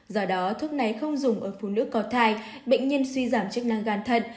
do đó thuốc này không dùng ở phụ nữ cò thai bệnh nhân suy giảm chức năng gan thần